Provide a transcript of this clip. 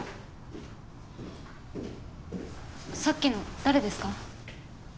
さっきの誰ですか？